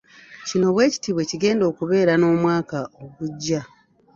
Kino bwe kiti bwe kigenda okubeera n'omwaka ogujja.